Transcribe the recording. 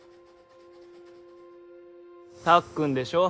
たっくんでしょ